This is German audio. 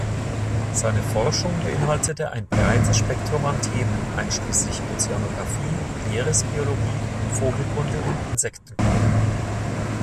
Seine Forschung beinhaltete ein breites Spektrum an Themen, einschließlich Ozeanografie, Meeresbiologie, Vogelkunde und Insektenkunde.